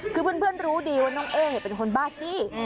คือเพื่อนรู้ดีว่าน้องเอ๊เป็นคนบ้าจี้